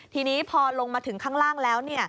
ทีนี้พอลงมาถึงข้างล่างแล้ว